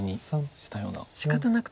しかたなくと。